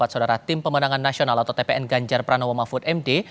saudara tim pemenangan nasional atau tpn ganjar pranowo mahfud md